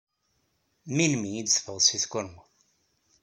Melmi ay d-teffɣed seg tkurmut?